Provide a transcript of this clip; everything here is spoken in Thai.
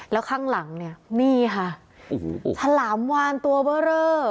แล้วข้างหลังเนี่ยนี่ค่ะโอ้โหฉลามวานตัวเบอร์เรอ